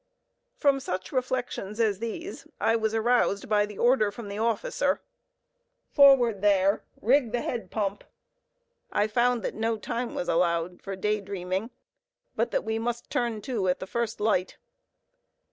From such reflections as these, I was aroused by the order from the officer, "Forward there! rig the head pump!" I found that no time was allowed for day dreaming, but that we must "turn to" at the first light.